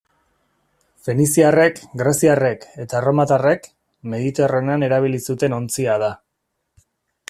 Feniziarrek, greziarrek eta erromatarrek Mediterraneoan erabili zuten ontzia da.